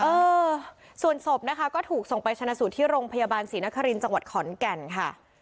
เออส่วนศพนะคะก็ถูกส่งไปชนะสูตรที่โรงพยาบาลศรีนครินทร์จังหวัดขอนแก่นค่ะ